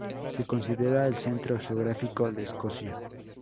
Se considera el centro geográfico de Escocia.